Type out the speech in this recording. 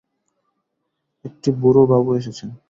একটি বুড়ো বাবু এসেছেন।